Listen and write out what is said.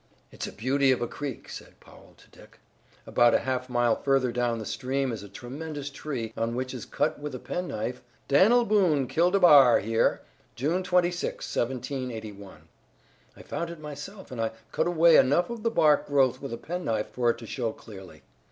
"It's a beauty of a creek," said Powell to Dick. "About a half mile further down the stream is a tremendous tree on which is cut with a penknife, 'Dan'l Boone killed a bar here, June 26, 1781.' I found it myself, and I cut away enough of the bark growth with a penknife for it to show clearly.